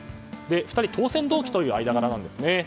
２人当選同期という間柄なんですね。